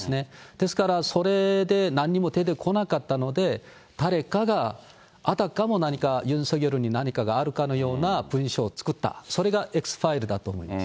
ですから、それでなんにも出てこなかったんで、誰かがあたかも、ユン・ソギョルに何かがあるかのような文書を作った、それがＸファイルだと思います。